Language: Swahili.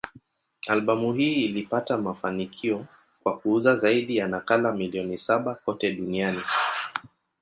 Albamu hii ilipata mafanikio kwa kuuza zaidi ya nakala milioni saba kote duniani.